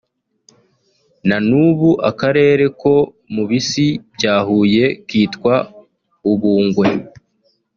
na n’ubu akarere ko mu Bisi bya Huye kitwa Ubungwe